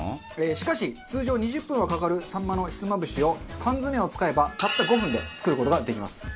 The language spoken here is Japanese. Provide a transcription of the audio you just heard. しかし通常２０分はかかるさんまのひつまぶしを缶詰を使えばたった５分で作る事ができます。